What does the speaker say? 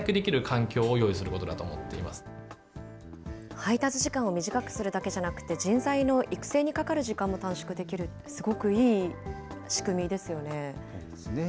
配達時間を短くするだけじゃなくて、人材の育成にかかる時間も短縮できる、すごくいい仕組みですよね。